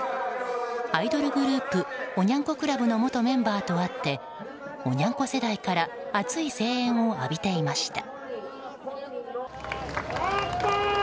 アイドルグループおニャン子クラブの元メンバーとあっておニャン子世代から熱い声援を浴びていました。